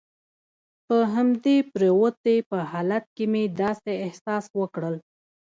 په همدې پروتې په حالت کې مې داسې احساس وکړل.